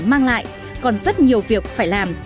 mang lại còn rất nhiều việc phải làm